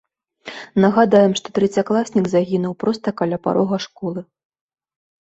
Нагадаем, што трэцякласнік загінуў проста каля парога школы.